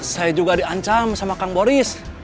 saya juga diancam sama kang boris